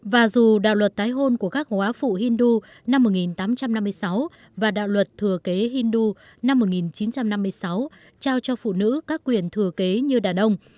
và dù đạo luật tái hôn của các hóa phụ hindu năm một nghìn tám trăm năm mươi sáu và đạo luật thừa kế hindu năm một nghìn chín trăm năm mươi sáu trao cho phụ nữ các quyền thừa kế như đàn ông